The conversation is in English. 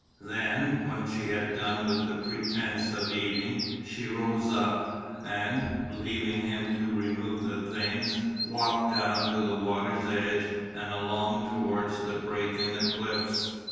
Then, when she had done with the pretence of eating she rose up and, leaving him to remove the things, walked down to the water's edge and along towards the break in the cliffs.